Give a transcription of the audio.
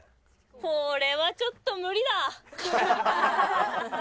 これはちょっと無理だ。